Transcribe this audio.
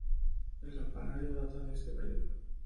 El campanario data de este periodo.